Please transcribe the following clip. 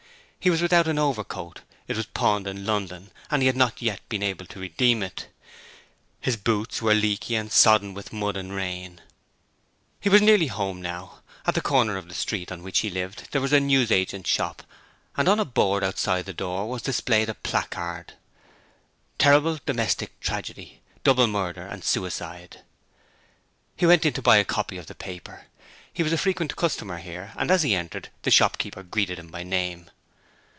He was without an overcoat, it was pawned in London, and he had not yet been able to redeem it. His boots were leaky and sodden with mud and rain. He was nearly home now. At the corner of the street in which he lived there was a newsagent's shop and on a board outside the door was displayed a placard: TERRIBLE DOMESTIC TRAGEDY DOUBLE MURDER AND SUICIDE He went in to buy a copy of the paper. He was a frequent customer here, and as he entered the shopkeeper greeted him by name.